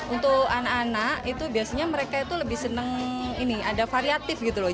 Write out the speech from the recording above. untuk anak anak itu biasanya mereka itu lebih seneng ini ada variatif gitu loh